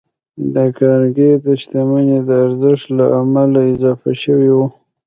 د کارنګي د شتمنۍ د ارزښت له امله اضافه شوي وو.